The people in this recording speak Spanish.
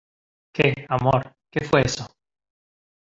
¿ Qué, amor? ¿ qué fue eso ?